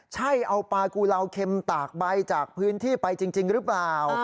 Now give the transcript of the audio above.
ใช่เอาปลากุลาวเค็มตากใบจากพื้นที่ไปจริงหรือเปล่า